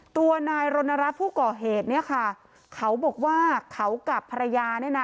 ตัวนายรณรัฐผู้ก่อเหตุเนี่ยค่ะเขาบอกว่าเขากับภรรยาเนี่ยนะ